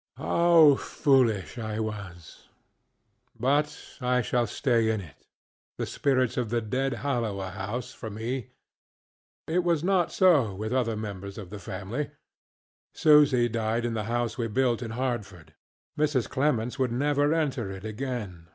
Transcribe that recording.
How foolish I was! But I shall stay in it. The spirits of the dead hallow a house, for me. It was not so with other members of my family. Susy died in the house we built in Hartford. Mrs. Clemens would never enter it again.